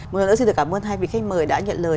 một lần nữa xin được cảm ơn hai vị khách mời đã nhận lời